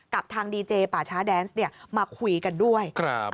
กับทางดีเจป่าช้าแดนส์มาคุยกันด้วย